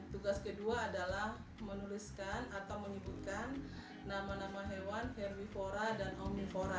tugas kedua adalah menuliskan atau menyebutkan nama nama hewan herwifora dan omnivora